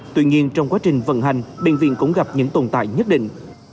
tuy nhiên trong quá trình vận hành bệnh viện cũng gặp những tồn tại nhất định